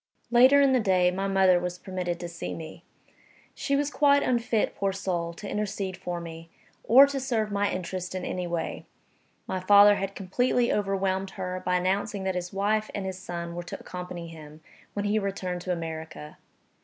Later in the day, my mother was permitted to see me. She was quite unfit, poor soul, to intercede for me, or to serve my interests in any way. My father had completely overwhelmed her by announcing that his wife and his son were to accompany him, when he returned to America.